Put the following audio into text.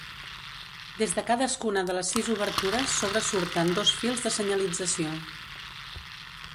Des de cadascuna de les sis obertures sobresurten dos fils de senyalització.